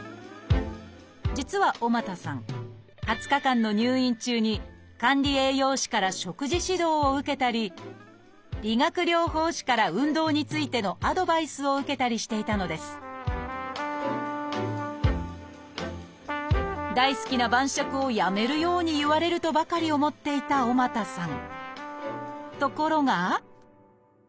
実は尾又さん２０日間の入院中に管理栄養士から食事指導を受けたり理学療法士から運動についてのアドバイスを受けたりしていたのです大好きな晩酌をやめるように言われるとばかり思っていた尾又さん。